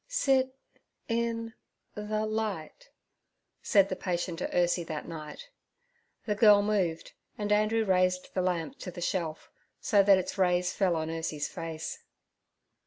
'Sit—in—the—light' said the patient to Ursie that night. The girl moved, and Andrew raised the lamp to the shelf, so that its rays fell on Ursie's face.